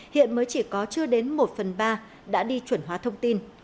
hiện mới chỉ có chưa đến một phần ba đã đi chuẩn hóa thông tin